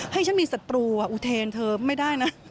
ให้ฉันมีศัตรูอุเทนเธอไม่ได้นะ